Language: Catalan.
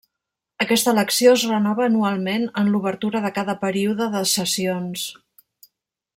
Aquesta elecció es renova anualment, en l'obertura de cada període de sessions.